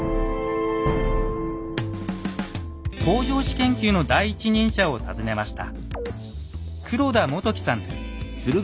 北条氏研究の第一人者を訪ねました。